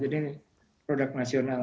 jadi produk nasional